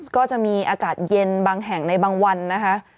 ก็จะมีอากาศเย็นบางแห่งในบางวันนะคะ